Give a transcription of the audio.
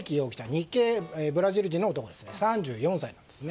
日系ブラジル人の男、３４歳です。